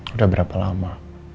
udah berapa lama